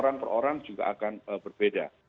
peran per orang juga akan berbeda